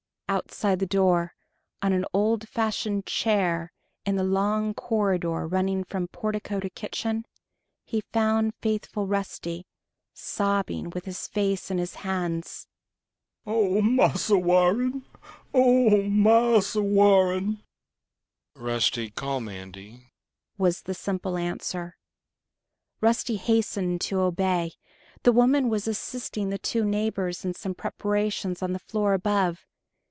Outside the door, on an old fashioned chair in the long corridor running from portico to kitchen, he found faithful Rusty, sobbing with his face in his hands. "Oh, Marse Warren! Oh, Marse Warren!" "Rusty, call Mandy," was the simple answer. Rusty hastened to obey. The woman was assisting the two neighbors in some preparations on the floor above.